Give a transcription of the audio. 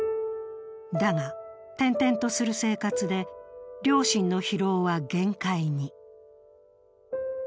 だが、転々とする生活で両親の疲労は限界に。